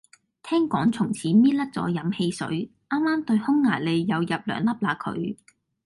聽講從此搣甩咗飲汽水，啱啱對匈牙利又入兩粒嘞佢